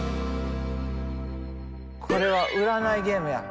これは占いゲームや。